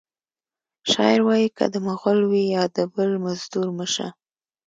شاعر وایی که د مغل وي یا د بل مزدور مه شه